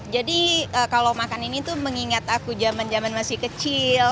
jadi kalau makan ini tuh mengingat aku jaman jaman masih kecil